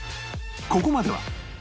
ここまでは